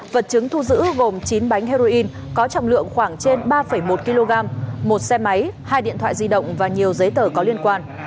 vật chứng thu giữ gồm chín bánh heroin có trọng lượng khoảng trên ba một kg một xe máy hai điện thoại di động và nhiều giấy tờ có liên quan